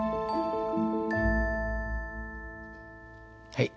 はい。